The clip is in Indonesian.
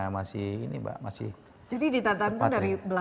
jadi ditantangkan dari belanda sendiri